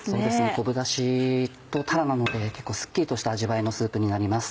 昆布ダシとたらなので結構すっきりとした味わいのスープになります。